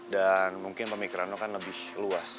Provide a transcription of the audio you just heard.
dan mungkin pemikiran lo kan lebih luas